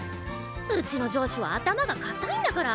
うちの上司は頭が固いんだから！